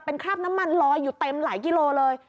เป็นคราบน้ำมันลอยอยู่เต็มหลายกิโลเลย